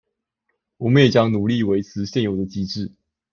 我們也將努力維持現有的機制